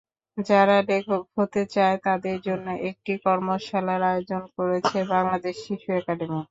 যারা লেখক হতে চায়, তাদের জন্য একটি কর্মশালার আয়োজন করেছে বাংলাদেশ শিশু একাডেমী।